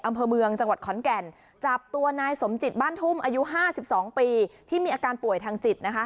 อำเภอเมืองจังหวัดขอนแก่นจับตัวนายสมจิตบ้านทุ่มอายุ๕๒ปีที่มีอาการป่วยทางจิตนะคะ